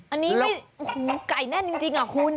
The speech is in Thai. อันนี้ไม่ไก่แน่นจริงอ่ะคุณ